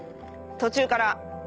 途中から？